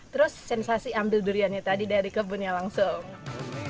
terus sensasi ambil duriannya tadi dari kebunnya langsung